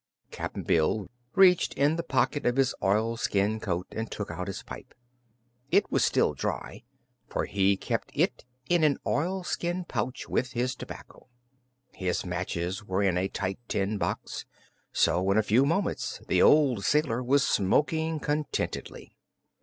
Cap'n Bill reached in the pocket of his oilskin coat and took out his pipe. It was still dry, for he kept it in an oilskin pouch with his tobacco. His matches were in a tight tin box, so in a few moments the old sailor was smoking contentedly.